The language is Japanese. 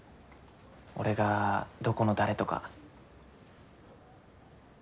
俺がどこの誰とか。